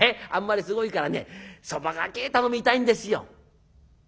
あんまりすごいからねそば賭け頼みたいんですよ」。